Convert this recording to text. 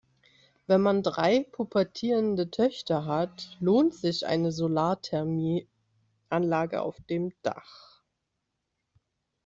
Wenn man drei pubertierende Töchter hat, lohnt sich eine Solarthermie-Anlage auf dem Dach.